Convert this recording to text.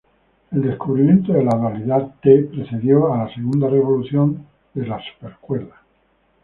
El descubrimiento de la dualidad-T precedió a la Segunda revolución de supercuerdas.